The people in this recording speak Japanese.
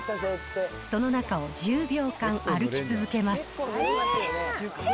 その中を１０秒間歩き続けます。